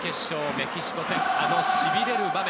メキシコ戦、あのしびれる場面。